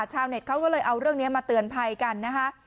ชาวเน็ตเขาก็เลยเอาเรื่องนี้มาเตือนภัยกันนะคะ